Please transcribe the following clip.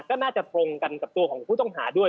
ก็น่าจะตรงกันกับตัวของผู้ต้องหาด้วย